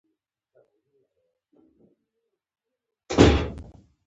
• د نن ورځ د سبا لپاره د قوي بنسټ په توګه وکاروه.